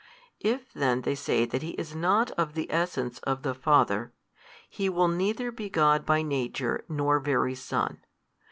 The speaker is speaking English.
If then they say that He is not of the Essence of the Father, He will neither be God by Nature, nor Very Son.